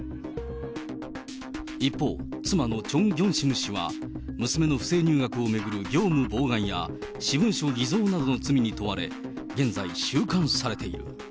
一方、妻のチョン・ギョンシム氏は、娘の不正入学を巡る業務妨害や私文書偽造などの罪に問われ、現在、収監されている。